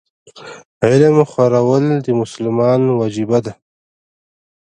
علم خورل د مسلمان وجیبه ده.